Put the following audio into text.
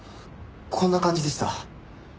こんな感じでした。